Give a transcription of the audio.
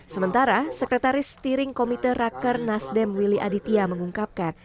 sementara sekretaris steering komite raker nasdem willy aditya mengungkapkan